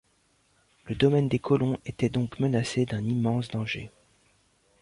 Le domaine des colons était donc menacé d’un immense danger.